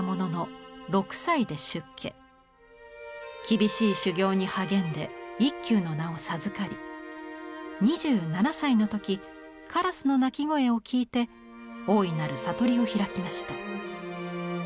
厳しい修行に励んで一休の名を授かり２７歳の時カラスの鳴き声を聞いて大いなる悟りを開きました。